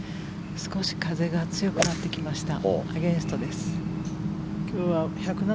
少し風が強くなってきました。